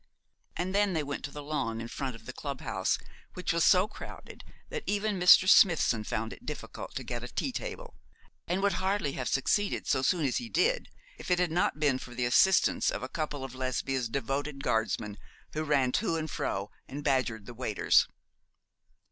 And then they went to the lawn in front of the club house, which was so crowded that even Mr. Smithson found it difficult to get a tea table, and would hardly have succeeded so soon as he did if it had not been for the assistance of a couple of Lesbia's devoted Guardsmen, who ran to and fro and badgered the waiters.